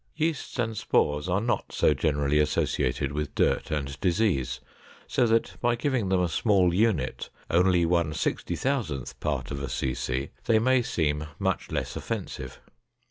Yeasts and spores are not so generally associated with dirt and disease so that by giving them a small unit, only 1 60,000 part of a cc, they may seem much less offensive.